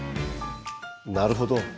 なるほど。